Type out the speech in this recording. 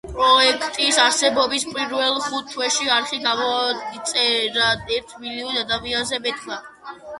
პროექტის არსებობის პირველ ხუთ თვეში, არხი გამოიწერა ერთ მილიონ ადამიანზე მეტმა.